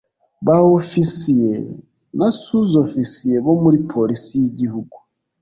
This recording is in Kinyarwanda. ba ofisiye na suzofisiye bo muri police y’igihugu